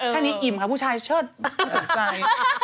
แค่นี้อิ่มค่ะผู้ชายเชิดสนใจ